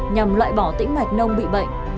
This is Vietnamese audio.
nhằm loại bỏ tĩnh mạch nông bị bệnh